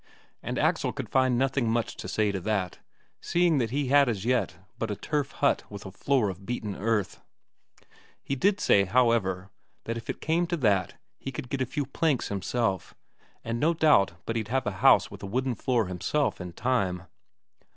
And Axel could find nothing much to say to that, seeing that he had as yet but a turf hut with a floor of beaten earth. He did say, however, that if it came to that, he could get a few planks himself, and no doubt but he'd have a house with a wooden floor himself in time!